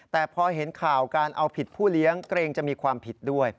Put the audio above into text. แต่พอเห็นข่าวการเอาผิดผู้เลี้ยงเกรงจะมีความผิดด้วย